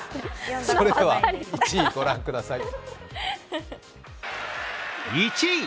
それでは１位ご覧ください。